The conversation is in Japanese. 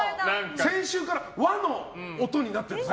先週から和の音になってるんです。